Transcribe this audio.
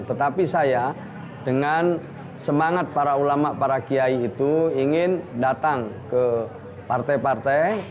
tetapi saya dengan semangat para ulama para kiai itu ingin datang ke partai partai